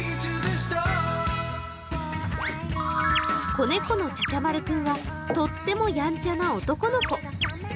子猫の茶々丸君はとってもやんちゃな男の子。